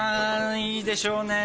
いいでしょう。